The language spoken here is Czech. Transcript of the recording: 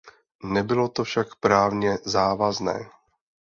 Nebylo to však právně závazné.